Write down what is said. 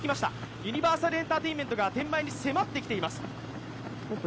ユニバーサルエンターテインメントが天満屋に迫ってきています。